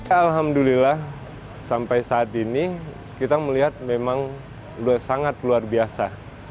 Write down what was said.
alhamdulillah sampai saat ini kita melihat memang sangat luar biasa